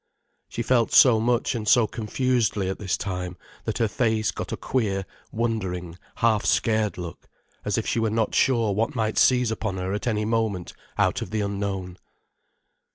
She felt so much and so confusedly at this time, that her face got a queer, wondering, half scared look, as if she were not sure what might seize upon her at any moment out of the unknown.